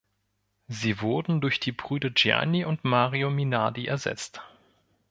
Sie wurden durch die Brüder Gianni und Mario Minardi ersetzt.